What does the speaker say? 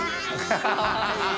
ハハハ